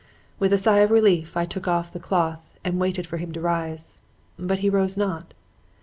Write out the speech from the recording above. With a sigh of relief I took off the cloth and waited for him to rise. But he rose not.